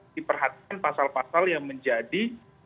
diperhatikan pasal pasal yang menjadi